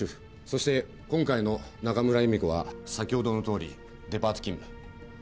そして今回の中村江美子は先ほどのとおりデパート勤務。